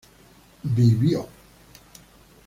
vivió